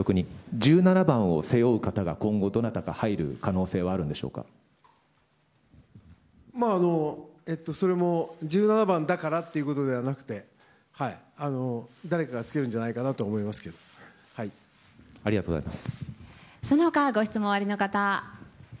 １７番を背負う方が今後どなたか入る可能性それも１７番だからということではなくて誰かがつけるんじゃないかなとありがとうございます。